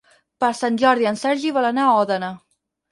Per Sant Jordi en Sergi vol anar a Òdena.